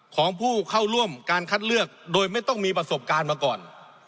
ของผู้เข้าร่วมการคัดเลือกโดยไม่ต้องมีประสบการณ์มาก่อน